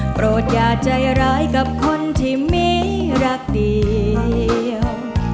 โปรดอย่าใจร้ายกับคนที่มีรักเดียว